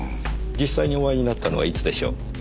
実際にお会いになったのはいつでしょう？